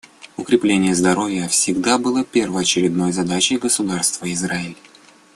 Укрепление здоровья всегда было первоочередной задачей государства Израиль.